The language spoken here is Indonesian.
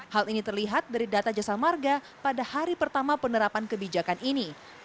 hal ini terlihat dari data jasa marga pada hari pertama penerapan kebijakan ini